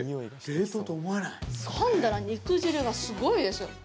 ◆かんだら肉汁がすごいです。